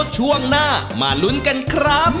ของพี่ถูกกว่า